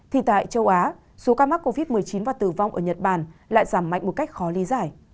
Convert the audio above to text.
thì tại châu á số ca mắc covid một mươi chín và tử vong ở nhật bản lại giảm mạnh một cách khó lý giải